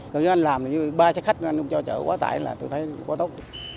còn nếu anh làm như ba xe khách anh không cho chở quá tải là tôi thấy quá tốt